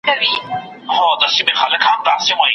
چي سیالان یې له هیبته پر سجده سي